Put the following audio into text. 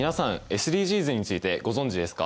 ＳＤＧｓについてご存じですか？